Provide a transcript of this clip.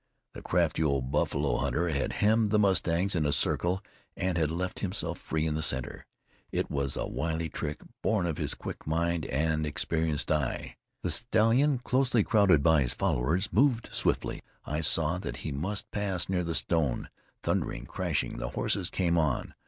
The crafty old buffalo hunter had hemmed the mustangs in a circle and had left himself free in the center. It was a wily trick, born of his quick mind and experienced eye. The stallion, closely crowded by his followers, moved swiftly I saw that he must pass near the stone. Thundering, crashing, the horses came on.